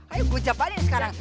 ayo gojab aja sekarang